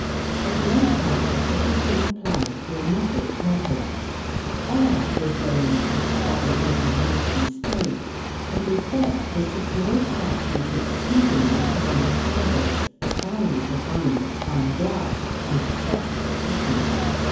Of late, however, it has been applied to a novel purpose. Air is blown into it while it is in a molten state, and the effect is to draw it out into exceedingly fine fibres, as fine as the finest spun glass, and as soft as cotton.